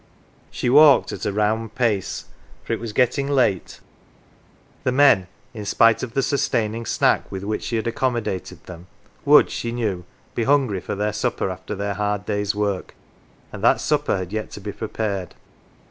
80 NANCY She walked at a round pace, for it was getting late ; the men, in spite of the sustaining " snack " with which she had accommodated them, would, she knew, be hungry for their supper after their hard day^s work, and that supper had yet to be prepared.